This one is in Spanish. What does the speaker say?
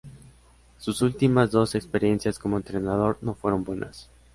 Sus últimas dos experiencias como entrenador no fueron buenas.